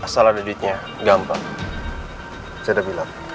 saya udah bilang